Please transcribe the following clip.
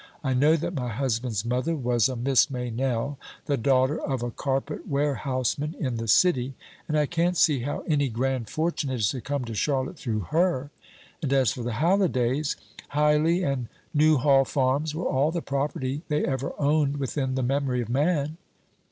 I know that my husband's mother was a Miss Meynell, the daughter of a carpet warehouseman in the city, and I can't see how any grand fortune is to come to Charlotte through her. And as for the Hallidays Hyley and Newhall farms were all the property they ever owned within the memory of man."